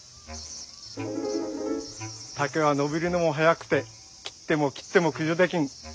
竹はのびるのもはやくて切っても切ってもくじょできん。